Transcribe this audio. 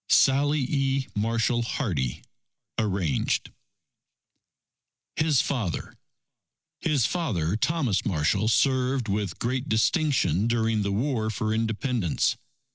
Sallie E. Marshall Hardy (Arranged) HIS FATHER His father, Thomas Marshall, served with great distinction during the War for Independence.